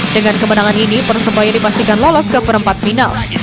dengan kemenangan ini persebaya dipastikan lolos ke perempat final